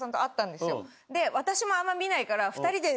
私もあんま見ないから。